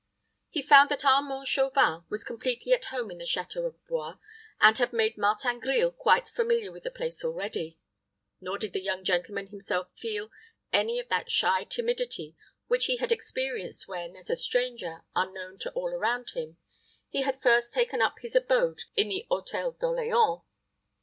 He found that Armand Chauvin was completely at home in the château of Blois, and had made Martin Grille quite familiar with the place already; nor did the young gentleman himself feel any of that shy timidity which he had experienced when, as a stranger, unknown to all around him, he had first taken up his abode in the Hôtel d'Orleans.